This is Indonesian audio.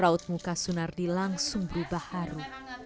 raut muka sunardi langsung berubah haru